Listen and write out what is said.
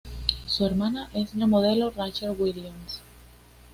Su hermana es la modelo Rachel Williams.